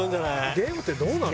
ゲームってどうなの？